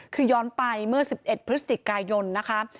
คือย้อนไปเมื่อ๑๑พฤศจิกายนนะคะ